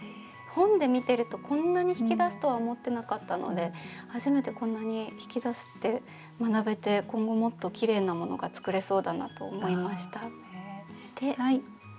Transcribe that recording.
本で見てるとこんなに引き出すとは思ってなかったので初めてこんなに引き出すって学べて今後もっときれいなものが作れそうだなと思いました。